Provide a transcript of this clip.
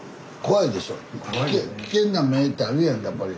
危険な目ってあるやんやっぱり。